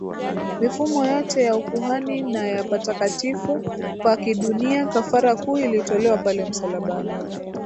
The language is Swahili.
mifumo yote ya ukuhani na ya Patakatifu pa kidunia Kafara kuu ilitolewa pale msalabani